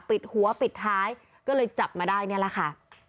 ปิดหัวปิดท้ายก็เลยจับมาได้นี่แหละค่ะ